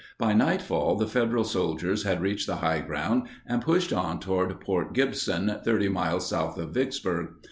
By nightfall the Federal soldiers had reached the high ground and pushed on toward Port Gibson, 30 miles south of Vicksburg.